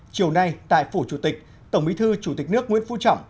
chiều nay tại phủ chủ tịch tổng bí thư chủ tịch nước nguyễn phú trọng